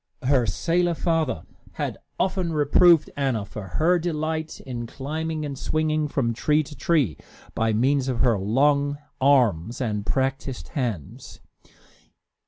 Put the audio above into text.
Her sailor father had often reproved Anna for her delight in climbing and swinging from tree to tree, by means of her long arms and practised hands.